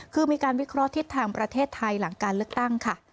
คือมีการวิเคราะห์ทิศทางประเทศไทยหลังการเลือกตั้งค่ะ